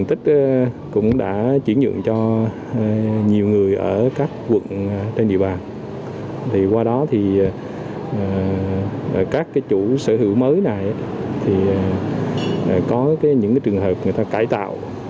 thì qua đó thì các chủ sở hữu mới này thì có những trường hợp người ta cải tạo